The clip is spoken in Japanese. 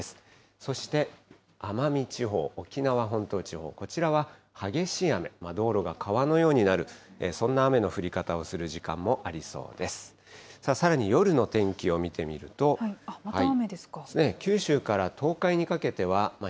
そして、奄美地方、沖縄本島地方、こちらは激しい雨、道路が川のようになる、そんな雨の降り方をする時間もありそうです。